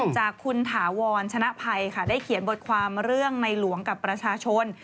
จากคุณถาวรชนะภัยค่ะได้เขียนบทความเรื่องในหลวงกับประชาชน